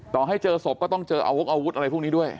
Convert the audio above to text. ต่อให้เจอศพก็ต้องเจออาวกอาวุธอะไรพวกนี้ด้วย